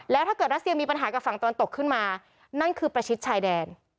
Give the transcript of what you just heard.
แล้วถ้าเกิดรัสเซียมีปัญหากับฝั่งตะวันตกขึ้นมานั่นคือประชิดชายแดน